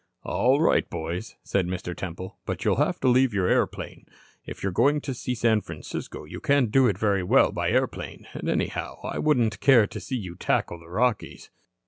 "All right, boys," said Mr. Temple. "But you'll have to leave your airplane. If you are going to see San Francisco, you can't do it very well by airplane. And, anyhow, I wouldn't care to see you tackle the Rockies."